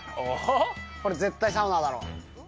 これ絶対サウナだろ？